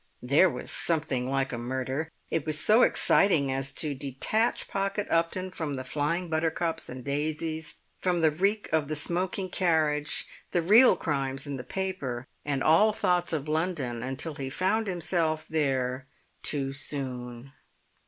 There was something like a murder! It was so exciting as to detach Pocket Upton from the flying buttercups and daisies, from the reek of the smoking carriage, the real crimes in the paper, and all thoughts of London until he found himself there too soon.